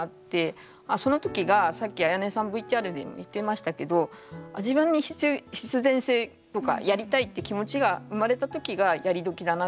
その時がさっきあやねさんＶＴＲでも言ってましたけど自分に必然性とかやりたいって気持ちが生まれた時がやりどきだなと思ってて。